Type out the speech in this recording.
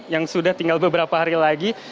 yang sudah tinggal beberapa hari lagi